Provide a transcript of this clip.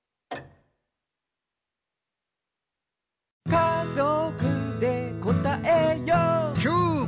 「かぞくでこたえよう」キュー！